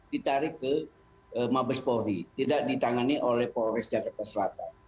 ditarik ke mabes polri tidak ditangani oleh polres jakarta selatan